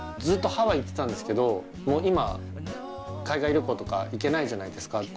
ずっとハワイ行ってたんですけどもう今海外旅行とか行けないじゃないですか。